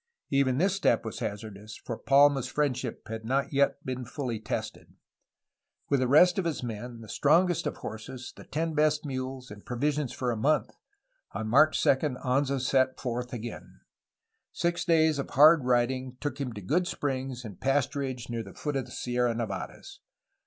Even this step was haz ardous, for Palma's friendship had not yet been fully tested. With the rest of the men, the strongest horses, the ten best mules, and provisions for a month, on March 2 Anza again set forth. Six days of hard riding took him to good springs and pasturage near the foot of the Sierra Nevadas.